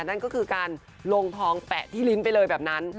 นั่นก็คือการลงทองแปะที่ลิ้นไปเลยแบบนั้น